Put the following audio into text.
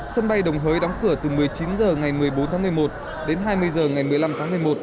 sân bay đồng hới đóng cửa từ một mươi chín h ngày một mươi bốn tháng một mươi một đến hai mươi h ngày một mươi năm tháng một mươi một